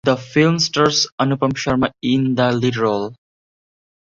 The film stars Anupam Sharma in the lead role.